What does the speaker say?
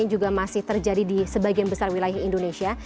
ini juga masih terjadi di sebagian besar wilayah indonesia